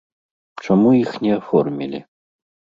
Чаму іх не аформілі?